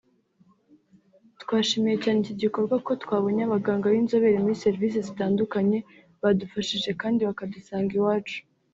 « Twishimiye cyane iki gikorwa kuko twabonye abaganga b’inzobere muri serivisi zitandukanye badufashije kandi bakadusanga iwacu »